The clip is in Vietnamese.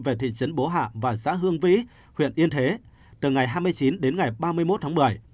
về thị trấn bố hạ và xã hương vĩ huyện yên thế từ ngày hai mươi chín đến ngày ba mươi một tháng một mươi